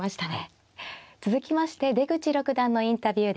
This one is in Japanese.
続きまして出口六段のインタビューです。